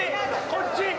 こっち？